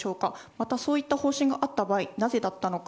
また、そういった方針があった場合、なぜだったのか。